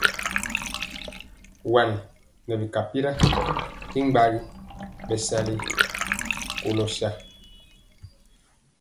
Wani nɛ bi tyapira y gbagi bɛ sali kolo bɛsa.